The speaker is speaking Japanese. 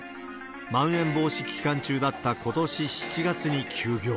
まん延防止期間中だったことし７月に休業。